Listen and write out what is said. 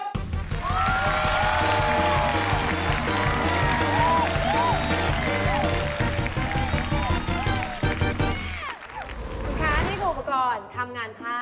คุณคะนี่ถูกกับก่อนทำงาน๕ค่ะ